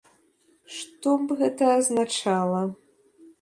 Што б гэта азначала?